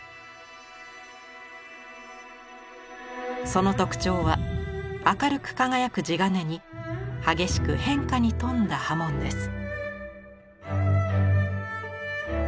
その特徴は明るく輝く地鉄に激しく変化に富んだ刃文です。